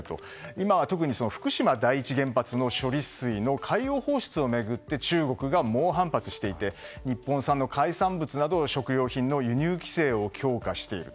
今は特に福島第一原発の処理水の海洋放出を巡って中国が猛反発していて日本産の海産物など食料品の輸入規制を強化している。